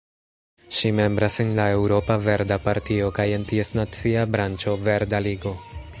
Ŝi membras en la Eŭropa Verda Partio kaj en ties nacia branĉo Verda Ligo.